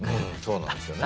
そうなんですよね。